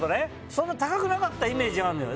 そんな高くなかったイメージがあんのよ